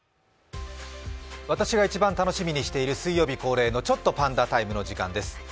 私が一番楽しみにしている水曜日恒例のちょっとパンダタイムの時間です。